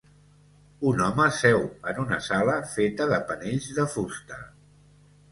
Un home seu en una sala feta de panells de fusta.